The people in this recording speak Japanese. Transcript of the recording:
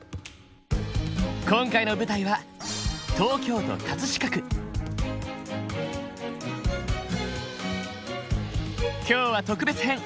今回の舞台は今日は特別編！